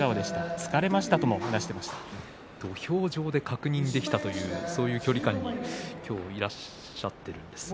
疲れました土俵上で確認できたというそういう距離感に今日いらっしゃっているんですね。